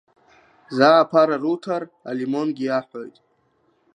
Заа аԥара руҭар, алимонгьы иаҳәоит.